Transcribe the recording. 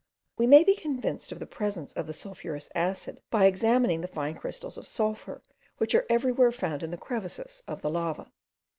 We may be convinced of the presence of the sulphurous acid, by examining the fine crystals of sulphur, which are everywhere found in the crevices of the lava.